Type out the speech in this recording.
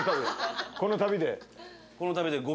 この旅で。